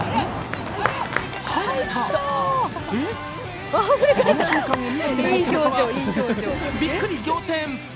えっ、その瞬間を見ていない田中はびっくり仰天。